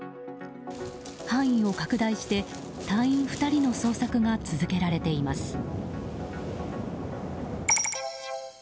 範囲を拡大して、隊員２人の捜索が続けられています。